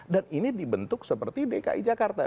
dan ini dibentuk seperti dki jakarta